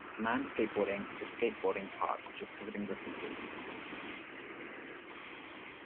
A man skateboarding at a skateboarding park which is covered in graffiti.